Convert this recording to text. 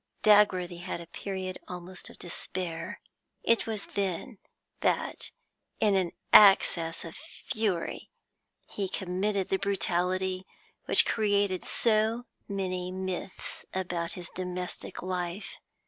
Dagworthy had a period almost of despair; it was then that, in an access of fury, he committed the brutality which created so many myths about his domestic life.